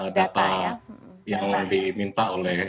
data yang diminta